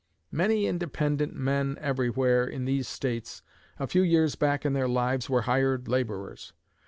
Many independent men everywhere in these States, a few years back in their lives, were hired laborers.